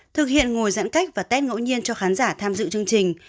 thực hiện ngồi giãn cách và tết ngẫu nhiên cho khán giả tham dự chương trình